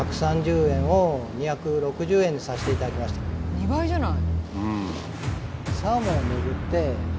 ２倍じゃない！